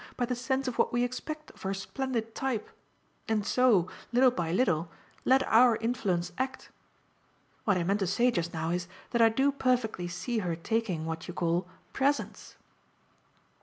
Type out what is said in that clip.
by the sense of what we expect of her splendid type, and so, little by little, let our influence act. What I meant to say just now is that I do perfectly see her taking what you call presents."